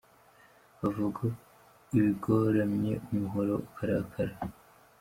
Bavuga ibigoramye umuhoro ukarakara.